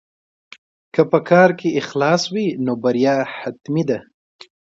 که په کار کې اخلاص وي نو بریا حتمي ده.